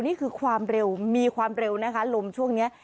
นี่คือความเร็วมีความเร็วนะคะลมช่วงนี้